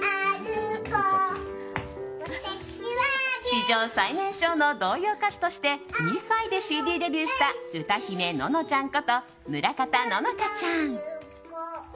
史上最年少の童謡歌手として２歳でＣＤデビューした歌姫・ののちゃんこと村方乃々佳ちゃん。